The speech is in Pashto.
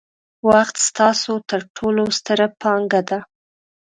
وخت ستاسو ترټولو ستره پانګه ده.